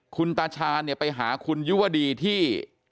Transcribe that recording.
คุณตาชาไปหาคุณยุวดีที่